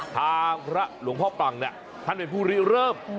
ทางพระหลวงพ่อปังเนี่ยท่านเป็นผู้ริเริ่ม